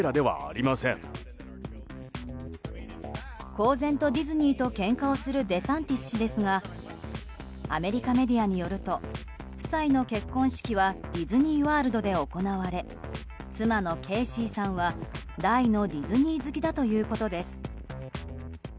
公然とディズニーとけんかをするデサンティス氏ですがアメリカメディアによると夫妻の結婚式はディズニーワールドで行われ妻のケイシーさんは大のディズニー好きだということです。